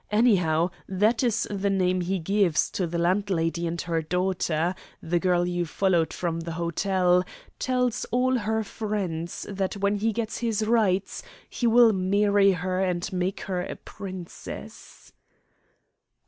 Anyhow, that is the name he gives to the landlady, and her daughter the girl you followed from the hotel tells all her friends that when he gets his rights he will marry her and make her a princess."